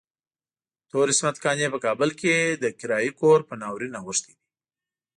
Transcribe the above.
تور عصمت قانع په کابل کې د کرايي کور په ناورين اوښتی دی.